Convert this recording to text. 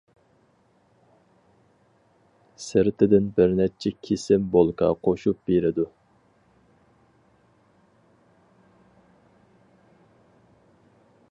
سىرتىدىن بىر نەچچە كېسىم بولكا قوشۇپ بېرىدۇ.